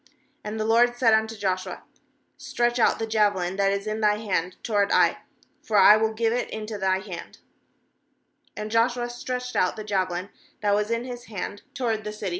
18And the LORD said unto Joshua: 'Stretch out the javelin that is in thy hand toward Ai; for I will give it into thy hand/ And Joshua stretched out the javelin that was in his hand to • That is, Troubling. 269 8.18 JOSHUA ward the city.